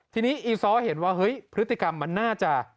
ทีนี้อีซ้อเห็นว่าเฮ้ยพฤติกรรมมันน่าจะ